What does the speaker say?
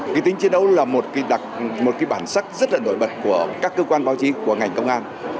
cái tính chiến đấu là một cái bản sắc rất là nổi bật của các cơ quan báo chí của ngành công an